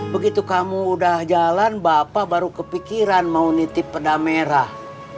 begitu kamu udah jalan bapak baru kepikiran mau nitip peda merah